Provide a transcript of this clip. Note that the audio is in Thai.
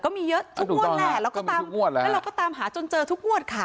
ก็มีเยอะทุกมวดแหละแล้วก็ตามแล้วก็ตามหาจนเจอทุกมวดค่ะ